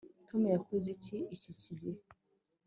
Tom yakoze iki iki gihe